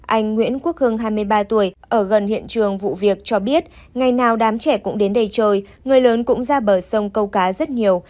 anh nguyễn quốc hưng hai mươi ba tuổi ở gần hiện trường vụ việc cho biết ngày nào đám trẻ cũng đến đây trời người lớn cũng ra bờ sông câu cá rất nhiều